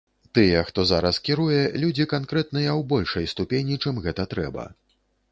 Тыя, хто зараз кіруе, людзі канкрэтныя ў большай ступені, чым гэта трэба.